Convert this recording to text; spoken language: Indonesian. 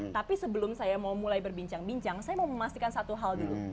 tapi sebelum saya mau mulai berbincang bincang saya mau memastikan satu hal dulu